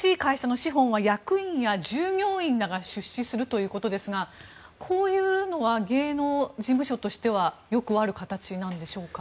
新しい会社の資本は役員や従業員らが出資するということですがこういうのは芸能事務所としてはよくある形なんでしょうか。